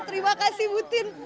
terima kasih mbak buksin